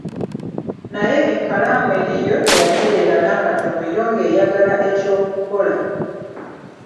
Naye ekkalaamu eri yo teyatereera n'akatono yo ng'eyagala eky'okukola.